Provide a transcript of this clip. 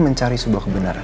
mencari sebuah kebenaran